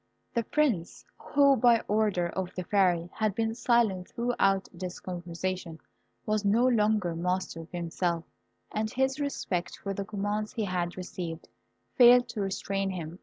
The Prince, who, by order of the Fairy, had been silent throughout this conversation, was no longer master of himself, and his respect for the commands he had received, failed to restrain him.